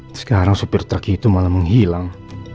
sekarang supir truk itu malah menghilang